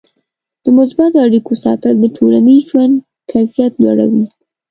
د مثبتو اړیکو ساتل د ټولنیز ژوند کیفیت لوړوي.